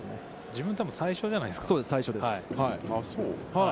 自分、多分最初じゃないですか。